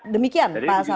demikian pak asal